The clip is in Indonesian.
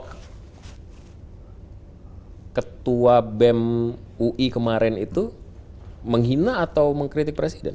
hai ketua bem ui kemarin itu menghina atau mengkritik presiden